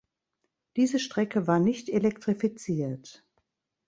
Diese Strecke war nicht elektrifiziert.